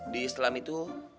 di islam itu